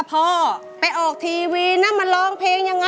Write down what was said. สวัสดีครับคุณหน่อย